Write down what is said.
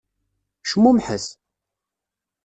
Cmumḥet!